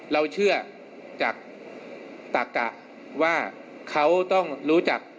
เราเชื่อจากตะกะว่าเขาต้องรู้จัก